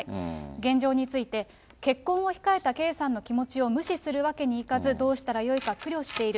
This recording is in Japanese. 現状について、結婚を控えた圭さんの気持ちを無視するわけにいかず、どうしたらよいか苦慮している。